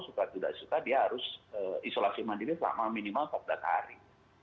suka tidak suka dia harus isolasi mandiri selama minimal empat belas hari